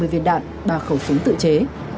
ba mươi viên đạn và khẩu súng tự chế